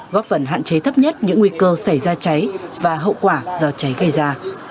góp phần hạn chế thấp nhất những nguy cơ xảy ra cháy và hậu quả do cháy gây ra